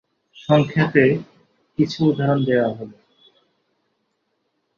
সংক্ষেপে কিছু উদাহরণ দেয়া হল।